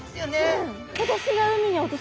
うん。